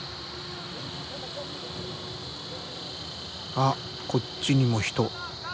あっこっちにも人。